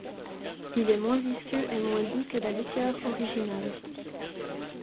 Il est moins visqueux et moins doux que la liqueur originale.